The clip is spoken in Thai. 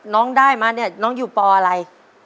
น้องได้มาเนี่ยน้องอยู่ปอะไร